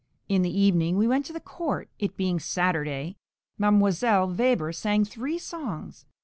In the evening we went to the court, it being Saturday; Mdlle. Weber sang three songs.